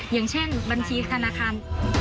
อย่างเช่นบัญชีธนาคาร